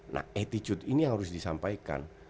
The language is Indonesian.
nah attitude ini harus disampaikan